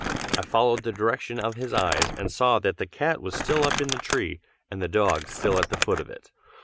I followed the direction of his eyes, and saw that the cat was still up in the tree, and the dogs still at the foot of it.